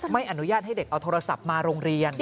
ไม่อนุญาตให้เด็กเอาโทรศัพท์มาโรงเรียน